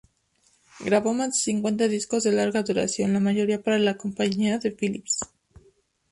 Grabó más de cincuenta discos de larga duración, la mayoría para la compañía Philips.